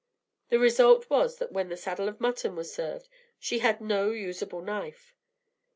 The result was that when the saddle of mutton was served, she had no usable knife.